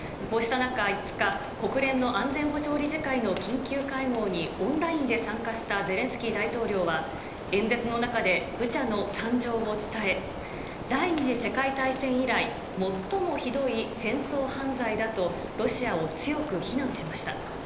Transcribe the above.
こうした中、５日、国連の安全保障理事会の緊急会合に、オンラインで参加したゼレンスキー大統領は、演説の中で、ブチャの惨状を伝え、第２次世界大戦以来、最もひどい戦争犯罪だと、ロシアを強く非難しました。